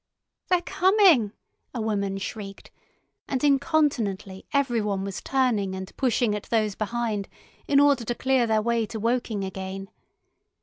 "They're coming!" a woman shrieked, and incontinently everyone was turning and pushing at those behind, in order to clear their way to Woking again.